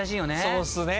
そうっすね。